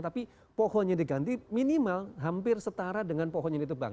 tapi pohonnya diganti minimal hampir setara dengan pohon yang ditebang